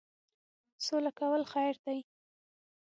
سوله کول خیر دی.